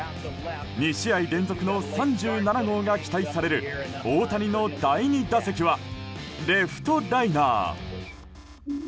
２試合連続の３７号が期待される大谷の第２打席はレフトライナー。